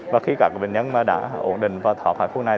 và khi các bệnh nhân đã ổn định và thoát khỏi khu này